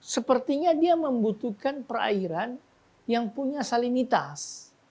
sepertinya dia membutuhkan perairan yang punya salinitas